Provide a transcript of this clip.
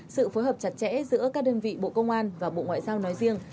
sự phối hợp chặt chẽ giữa các đơn vị bộ công an và bộ ngoại giao nói riêng